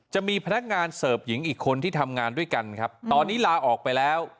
จะมีพนักงานเสิร์ฟหญิงอีกคนที่ทำงานด้วยกันครับตอนนี้ลาออกไปแล้ว